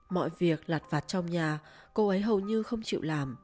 mọi việc lặt vạt trong nhà cô ấy hầu như không chịu làm